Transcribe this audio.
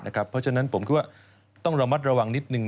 เพราะฉะนั้นผมคิดว่าต้องระมัดระวังนิดนึง